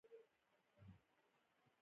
له لیکوالو یې تمه دا ده تریبیونونه شو.